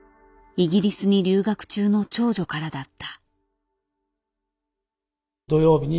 イギリスに留学中の長女からだった。